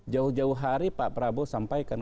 jauh jauh hari pak prabowo sampaikan